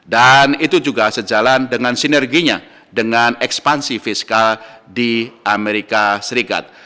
dan itu juga sejalan dengan sinerginya dengan ekspansi fiskal di amerika serikat